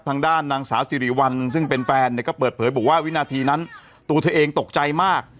นางสาวสิริวัลซึ่งเป็นแฟนเนี่ยก็เปิดเผยบอกว่าวินาทีนั้นตัวเธอเองตกใจมาก